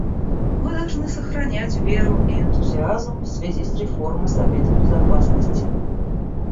Мы должны сохранять веру и энтузиазм в связи с реформой Совета Безопасности.